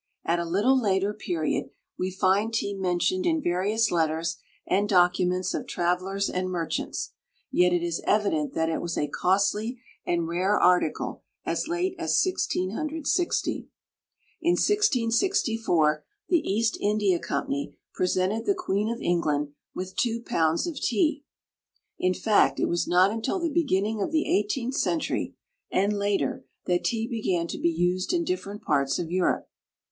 At a little later period we find tea mentioned in various letters and documents of travelers and merchants, yet it is evident that it was a costly and rare article as late as 1660. In 1664 the East India Company presented the queen of England with two pounds of tea. In fact, it was not until the beginning of the eighteenth century and later that tea began to be used in different parts of Europe.